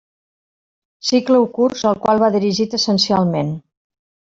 Cicle o curs al qual va dirigit essencialment.